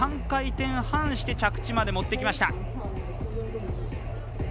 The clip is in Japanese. ３回転半して着地まで持ってきました。